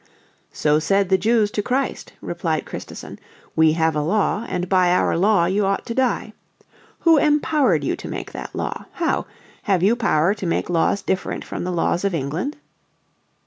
"So said the Jews to Christ," replied Christison: " 'We have a law, and by our law you ought to die.' Who empowered you to make that law? How! Have you power to make laws different from the laws of England?"